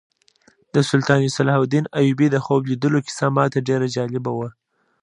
د سلطان صلاح الدین ایوبي د خوب لیدلو کیسه ماته ډېره جالبه وه.